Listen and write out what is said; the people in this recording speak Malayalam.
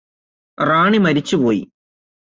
റാണി മരിച്ചുപോയി